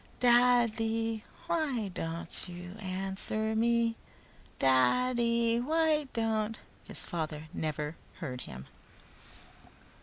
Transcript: "Dad dy why don't you an swer me Da ddy why don't " His father never heard him.